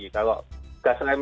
gas remnya tidak pakem